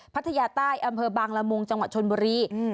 พัทยาใต้อำเภอบางละมุงจังหวัดชนบุรี